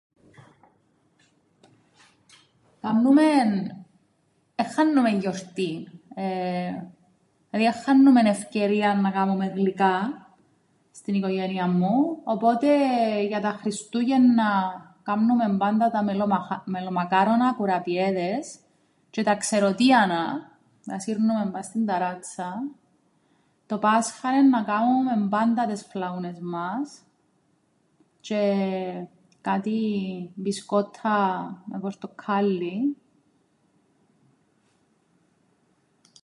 Κάμνουμεν εν χάννουμεν γιορτήν εεε δηλαδή εν χάννουμεν ευκαιρίαν να κάμουμεν γλυκά στην οικογένειαν μου, οπότε για τα Χριστούγεννα κάμνουμεν πάντα τα μελόμαχ- μελομακάρονα, κουραπιέδες, τζ̆αι τα ξεροτήανα τα σύρνουμεν πά' στην ταράτσαν το Πάσχαν εννά κάμουμεν πάντα τες φλαούνες μας τζ̆αι κάτι μπισκόττα με πορτοκκάλλιν.